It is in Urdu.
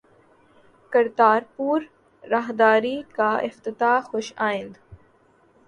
کرتارپور راہداری کا افتتاح خوش آئند